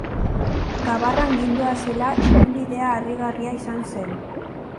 Gabarran gindoazela ibilbidea harrigarria izan zen.